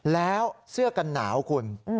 แล้วเสื้อกันหนาวคุณ